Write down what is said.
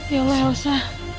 ya allah elsa